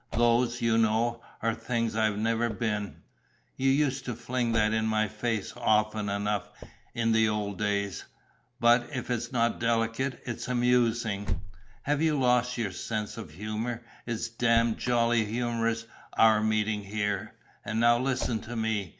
Those, you know, are things I've never been: you used to fling that in my face often enough, in the old days. But, if it's not delicate, it's amusing. Have you lost your sense of humour? It's damn jolly humorous, our meeting here.... And now listen to me.